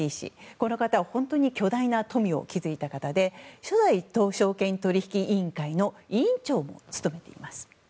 この方は本当に巨大な富を築いた方で初代証券取引委員会の委員長を務めています。